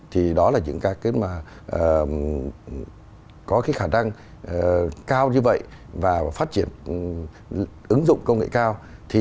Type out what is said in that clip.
thì đó là những cái mà có cái khả năng cao như vậy và phát triển ứng dụng công nghệ cao